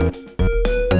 ya buat apa